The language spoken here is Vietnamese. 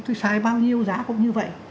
tôi xài bao nhiêu giá cũng như vậy